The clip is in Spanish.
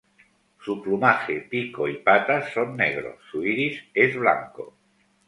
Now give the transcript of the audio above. Su plumaje, pico y patas son negros, su iris es blanco.